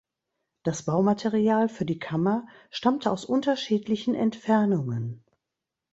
Das Baumaterial für die Kammer stammte aus unterschiedlichen Entfernungen.